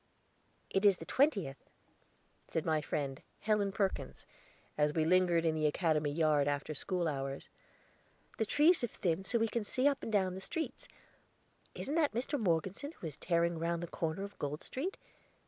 "It is the twentieth," said my friend, Helen Perkins, as we lingered in the Academy yard, after school hours. "The trees have thinned so we can see up and down the streets. Isn't that Mr. Morgeson who is tearing round the corner of Gold Street?